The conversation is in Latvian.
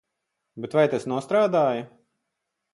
Bet vai tas nostrādāja?